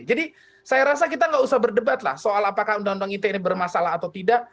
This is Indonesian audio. saya rasa kita nggak usah berdebat lah soal apakah undang undang ite ini bermasalah atau tidak